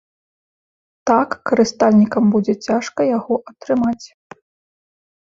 Так карыстальнікам будзе цяжка яго атрымаць.